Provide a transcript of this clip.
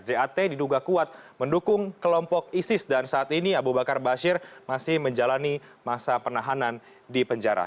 jat diduga kuat mendukung kelompok isis dan saat ini abu bakar bashir masih menjalani masa penahanan di penjara